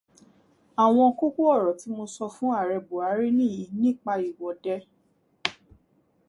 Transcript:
Àwọn kókó ọ̀rọ̀ tí mo sọ fún ààrẹ Bùhárí nìyí nípa ìwọ́de